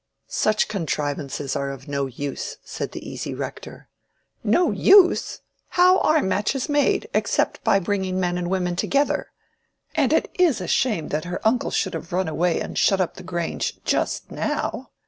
Such contrivances are of no use," said the easy Rector. "No use? How are matches made, except by bringing men and women together? And it is a shame that her uncle should have run away and shut up the Grange just now.